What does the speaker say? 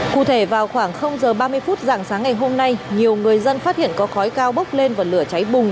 cụ thể vào khoảng h ba mươi phút dạng sáng ngày hôm nay nhiều người dân phát hiện có khói cao bốc lên và lửa cháy bùng